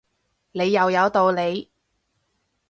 你又有道理